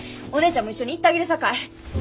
お姉ちゃんも一緒に行ったげるさかい。